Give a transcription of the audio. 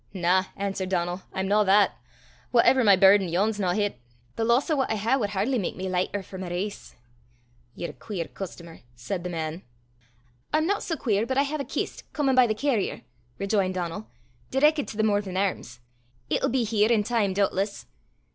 "Na," answered Donal, "I'm no that. Whatever my burden, yon's no hit. The loss o' what I hae wad hardly mak me lichter for my race." "Ye're a queer customer!" said the man. "I'm no sae queer but I hae a kist comin' by the carrier," rejoined Donal, "direckit to the Morven Airms. It'll be here in time doobtless."